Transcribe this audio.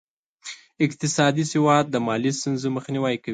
اقتصادي سواد د مالي ستونزو مخنیوی کوي.